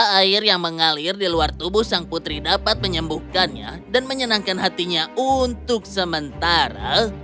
air yang mengalir di luar tubuh sang putri dapat menyembuhkannya dan menyenangkan hatinya untuk sementara